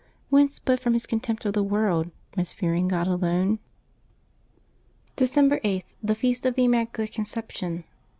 Whence but from his contempt of the world, from his fearing God alone ? December 8.— THE FEAST OF THE IMMACU LATE CONCEPTION.